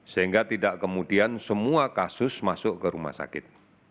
sehingga tidak kemudian semua kasus masuk ke rumah sakit